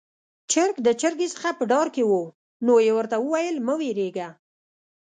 چرګ د چرګې څخه په ډار کې وو، نو يې ورته وويل: 'مه وېرېږه'.